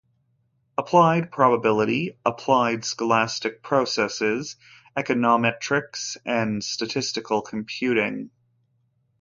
Applied Probability, Applied Stochastic Processes, Econometrics and Statistical Computing.